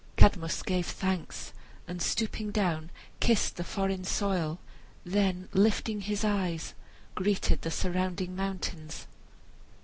Cadmus gave thanks, and stooping down kissed the foreign soil, then lifting his eyes, greeted the surrounding mountains.